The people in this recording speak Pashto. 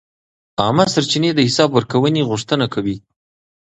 عامه سرچینې د حساب ورکونې غوښتنه کوي.